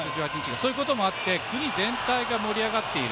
そういうこともあって国全体が盛り上がっている。